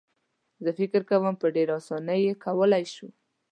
زه فکر کوم په ډېره اسانۍ یې کولای شو.